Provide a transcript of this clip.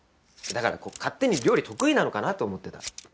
だから勝手に料理得意なのかなと思ってた。